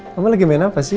kamu lagi main apa sih